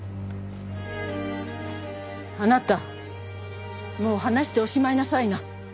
あなたもう話しておしまいなさいな。